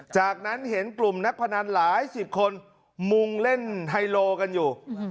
จากนั้นเห็นกลุ่มนักพนันหลายสิบคนมุงเล่นไฮโลกันอยู่